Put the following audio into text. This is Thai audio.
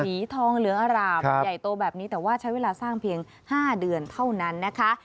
สีทองเหลืองอร่ามใหญ่โตแบบนี้แต่ว่าใช้เวลาสร้างเพียง๕เดือนเท่านั้นนะคะ